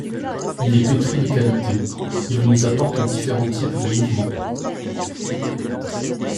Il est pétri de qualités, il nous apporte différents types de mouvements.